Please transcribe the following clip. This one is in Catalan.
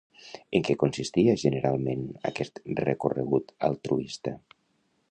En què consistia, generalment, aquest recorregut altruista?